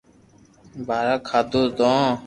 پآزا کاڌو تو